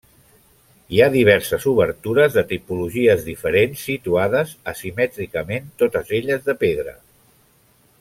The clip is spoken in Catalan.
Hi ha diverses obertures de tipologies diferents situades asimètricament, totes elles de pedra.